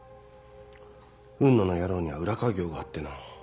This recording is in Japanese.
雲野の野郎には裏稼業があってな。